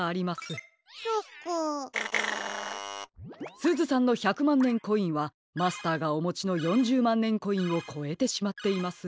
すずさんの１００まんねんコインはマスターがおもちの４０まんねんコインをこえてしまっています。